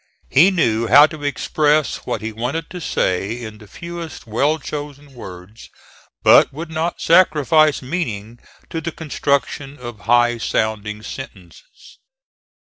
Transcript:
He knew how to express what he wanted to say in the fewest well chosen words, but would not sacrifice meaning to the construction of high sounding sentences.